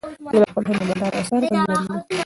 موږ د خپلو هنرمندانو اثار په مینه لولو.